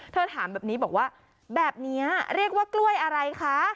ถามแบบนี้บอกว่าแบบนี้เรียกว่ากล้วยอะไรคะ